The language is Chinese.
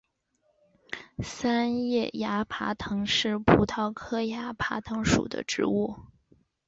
三叶崖爬藤是葡萄科崖爬藤属的植物。